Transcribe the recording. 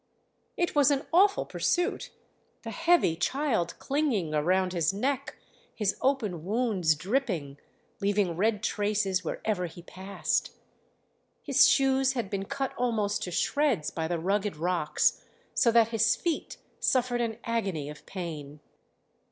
It was an awful pursuit, the heavy child clinging around his neck, his open wounds dripping, leaving red traces wherever he passed. His shoes had been cut almost to shreds by the rugged rocks, so that his feet suffered an agony of pain.